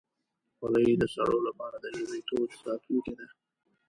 خولۍ د سړو لپاره د ژمي تود ساتونکی ده.